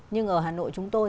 nhưng ở hà nội chúng tôi